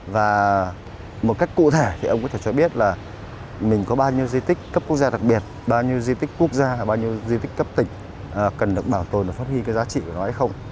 và một cách cụ thể thì ông có thể cho biết là mình có bao nhiêu di tích cấp quốc gia đặc biệt bao nhiêu di tích quốc gia bao nhiêu di tích cấp tỉnh cần được bảo tồn và phát huy cái giá trị của nó hay không